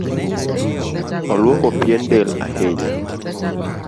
Oluoko pien del ahinya.